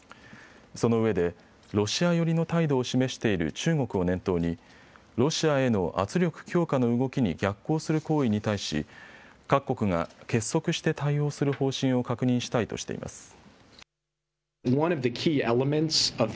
そのうえでロシア寄りの態度を示している中国を念頭にロシアへの圧力強化の動きに逆行する行為に対し各国が結束して対応する方針を確認したいとしています。